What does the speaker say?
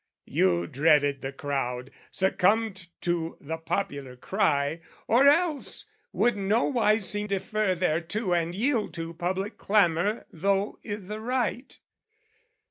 You dreaded the crowd, succumbed to the popular cry, Or else, would nowise seem defer thereto And yield to public clamour though i'the right!